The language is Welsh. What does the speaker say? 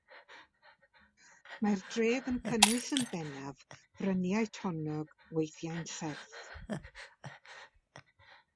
Mae'r dref yn cynnwys yn bennaf fryniau tonnog, weithiau'n serth.